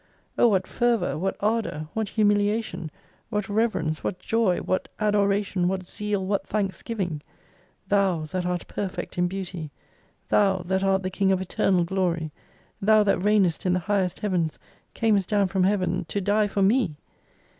Oh what fervour, what ardour, what humiliation, what reverence, what joy, what adoration, what zeal, what thanks giving ! Thou that art perfect in Beauty, Thou that art the King of Eternal Glory, Thou that reignest in the Highest Heavens camest down from Heaven to die for me